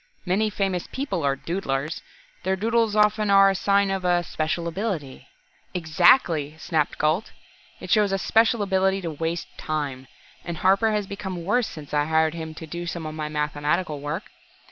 Many famous people are 'doodlers.' Their doodles often are a sign of special ability " "Exactly!" snapped Gault. "It shows a special ability to waste time. And Harper has become worse since I hired him to do some of my mathematical work.